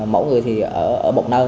mẫu người thì ở một nơi